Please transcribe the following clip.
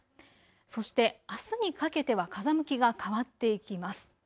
そして、あすにかけては風向きが変わっていきます。